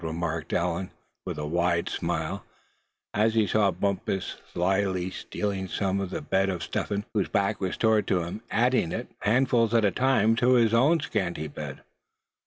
remarked Allan, with a wide smile, as he saw Bumpus slily stealing some of the bed of Step Hen, whose back was toward him, adding it, handfuls at a time, to his own scanty stock.